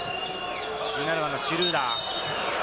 １７番・シュルーダー。